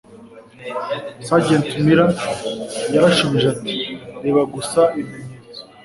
sargeant miller yarashubije ati '' reba gusa ibimenyetso